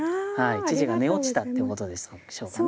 父が寝落ちたってことでしょうかね。